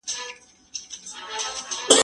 نان د زهشوم له خوا خوړل کيږي؟!